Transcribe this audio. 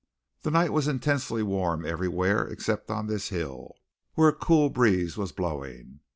The night was intensely warm everywhere except on this hill, where a cool breeze was blowing.